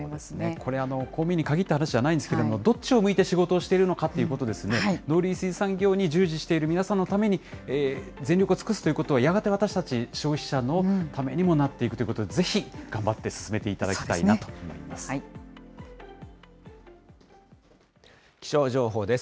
これ、公務員に限った話じゃないんですけれども、どっちを向いて仕事をしているのかということをですね、農林水産業に従事している皆さんのために全力を尽くすということは、やがて私たち、消費者のためにもなっていくということで、ぜひ頑張って進めてい気象情報です。